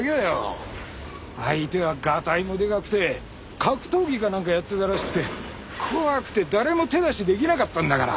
相手はがたいもでかくて格闘技かなんかやってたらしくて怖くて誰も手出しできなかったんだから。